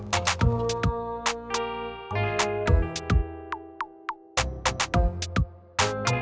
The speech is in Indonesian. selesai lagi rumputnya